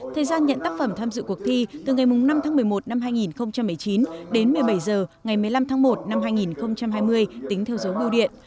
thời gian nhận tác phẩm tham dự cuộc thi từ ngày năm tháng một mươi một năm hai nghìn một mươi chín đến một mươi bảy h ngày một mươi năm tháng một năm hai nghìn hai mươi tính theo dấu biêu điện